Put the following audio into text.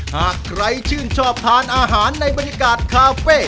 หากใครชื่นชอบทานอาหารในบรรยากาศคาเฟ่